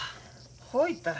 ほいたら。